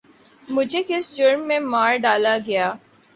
مجھے کس جرم میں مار ڈالا گیا؟